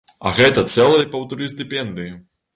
А гэта цэлыя паўтары стыпендыі!